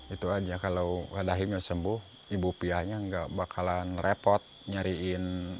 itu aja kalau pak dahimnya sembuh ibu piahnya enggak bakalan repot nyariin